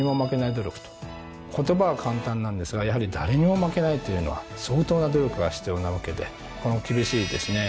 言葉は簡単なんですがやはり誰にも負けないというのは相当な努力が必要なわけでこの厳しいですね